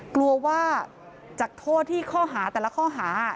กลัวว่าจากโทษที่ข้อหาแต่ละข้อหา